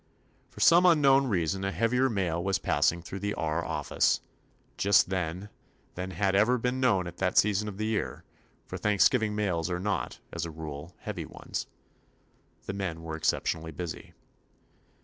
For some unknown reason a heavier mail was passing through the R • office just then than had ever been known at that season of the year, for Thanksgiving mails are not, as a rule, heavy ones. The men were except tionally busy.